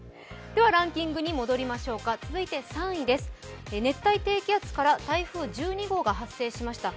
では、ランキングに戻りましょうか熱帯低気圧から台風１２号が発生しました。